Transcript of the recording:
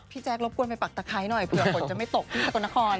แจ๊ครบกวนไปปักตะไคร้หน่อยเผื่อฝนจะไม่ตกที่สกลนคร